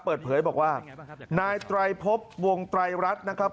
เปิดเผยบอกว่านายไตรพบวงไตรรัฐนะครับ